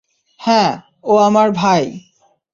হ্যাঁ, ও আমার ভাই।